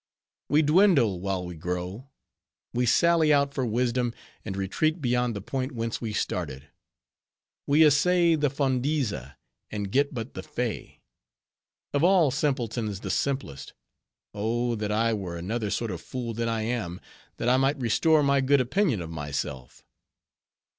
We dwindle while we grow; we sally out for wisdom, and retreat beyond the point whence we started; we essay the Fondiza, and get but the Phe. Of all simpletons, the simplest! Oh! that I were another sort of fool than I am, that I might restore my good opinion of myself.